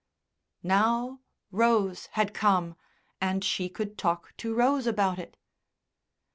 Now Rose had come, and she could talk to Rose about it.